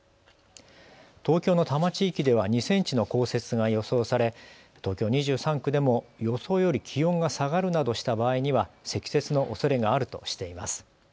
東京の多摩地域では２センチの降雪が予想され東京２３区でも予想より気温が下がるなどした場合には積雪のおそれがあるとしています。